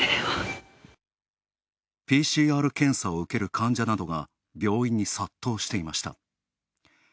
ＰＣＲ検査を受ける患者などが病院に殺到していました。